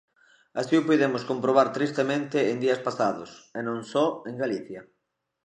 Así o puidemos comprobar tristemente en días pasados, e non só en Galicia.